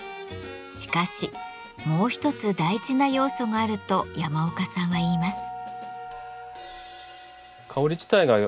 しかしもう一つ大事な要素があると山岡さんは言います。